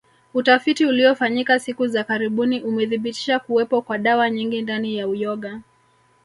Utafiti uliofanyika siku za karibuni umethibitisha kuwepo kwa dawa nyingi ndani ya uyoga